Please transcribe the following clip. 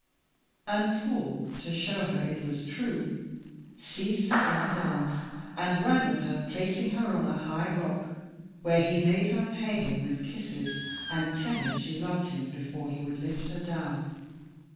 And Paul, to show her it was true, seized her in his arms, and ran with her, placing her on a high rock, where he made her pay him with kisses and tell him she loved him before he would lift her down.